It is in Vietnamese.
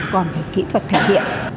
còn về kỹ thuật thể hiện